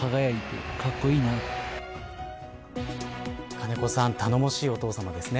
金子さん、頼もしいお父さまですね。